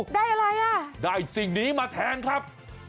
ได้อะไรอ่ะได้สิ่งนี้มาแทนครับ